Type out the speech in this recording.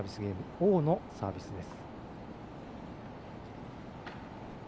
王のサービスです。